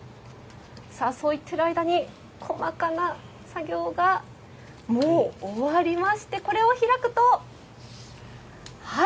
さあそう言ってる間に細かな作業がもう終わりましてこれを開くとはい！